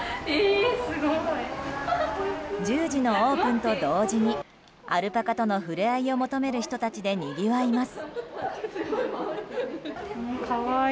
１０時のオープンと同時にアルパカとの触れ合いを求める人たちでにぎわいます。